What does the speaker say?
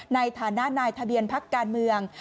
ในฐานะนายทะเบียนพักการเมือง